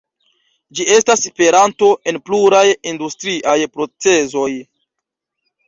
Ĝi estas peranto en pluraj industriaj procezoj.